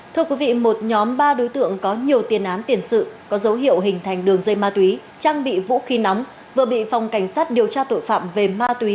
thưa quý vị một nhóm ba đối tượng có nhiều tiền án tiền sự có dấu hiệu hình thành đường dây ma túy trang bị vũ khí nóng vừa bị phòng cảnh sát điều tra tội phạm về ma túy